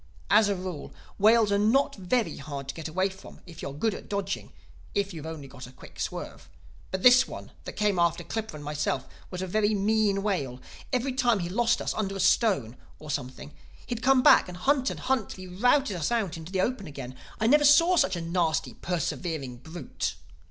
As a rule, whales are not very hard to get away from if you are good at dodging—if you've only got a quick swerve. But this one that came after Clippa and myself was a very mean whale. Every time he lost us under a stone or something he'd come back and hunt and hunt till he routed us out into the open again. I never saw such a nasty, persevering brute.